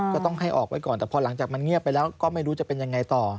ก็ต้องให้ออกไว้ก่อนแต่พอหลังจากมันเงียบไปแล้วก็ไม่รู้จะเป็นยังไงต่อ